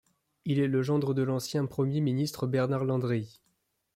Il est le gendre de l'ancien premier ministre Bernard Landry.